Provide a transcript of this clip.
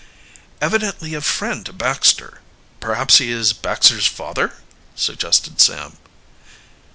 "Evidently a friend to Baxter. Perhaps he is Baxter's father?" suggested Sam.